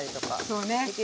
そうね。